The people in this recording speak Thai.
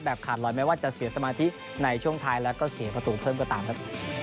ขาดรอยแม้ว่าจะเสียสมาธิในช่วงท้ายแล้วก็เสียประตูเพิ่มก็ตามครับ